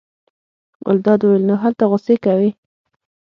ګلداد وویل: نو هلته غوسې کوې.